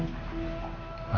kabarin om dwar ya